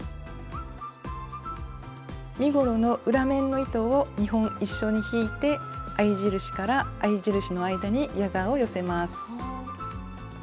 身ごろの裏面の糸を２本一緒に引いて合い印から合い印の間にギャザーを寄せます。